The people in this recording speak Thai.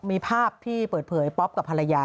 มีภาพที่เปิดเผยป๊อปกับภรรยา